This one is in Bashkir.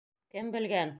Кем белгән!